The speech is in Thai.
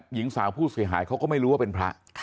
หญิงสาวผู้เสียหายเขาก็ไม่รู้ว่าเป็นพระ